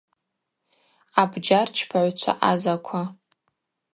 Абджьарчпагӏвчва ъазаква.